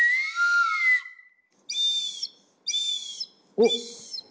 おっ。